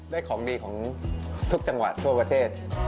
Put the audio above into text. ของดีของทุกจังหวัดทั่วประเทศ